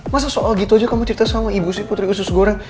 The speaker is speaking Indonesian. masa soal gitu aja kamu cerita sama ibu sih putri usus goreng